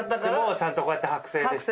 ちゃんとこうやって剥製にして。